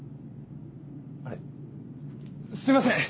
あれすいません